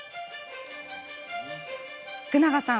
福永さん